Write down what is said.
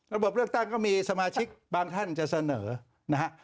ระบบเลือกตั้งก็มีสมาชิกบางท่านจะเสนอนะฮะ